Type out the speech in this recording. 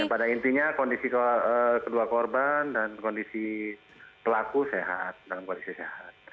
pada intinya kondisi kedua korban dan kondisi pelaku sehat dalam kondisi sehat